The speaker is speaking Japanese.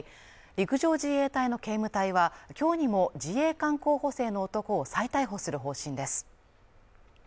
陸上自衛隊の警務隊は今日にも自衛官候補生の男を再逮捕する方針です。